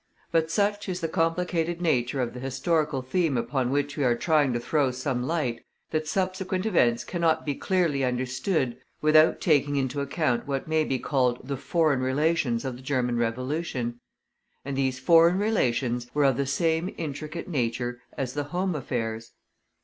But such is the complicated nature of the historical theme upon which we are trying to throw some light, that subsequent events cannot be clearly understood without taking into account what may be called the foreign relations of the German Revolution. And these foreign relations were of the same intricate nature as the home affairs.